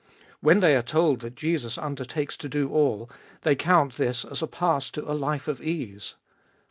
When they are told that Jesus undertakes to do all, they count this as a pass to a life of ease.